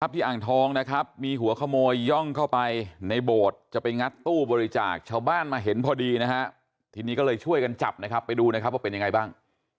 อ่างทองนะครับมีหัวขโมยย่องเข้าไปในโบสถ์จะไปงัดตู้บริจาคชาวบ้านมาเห็นพอดีนะฮะทีนี้ก็เลยช่วยกันจับนะครับไปดูนะครับว่าเป็นยังไงบ้าง